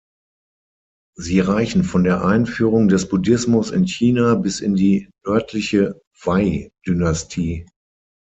Sie reichen von der Einführung des Buddhismus in China bis in die Nördliche Wei-Dynastie.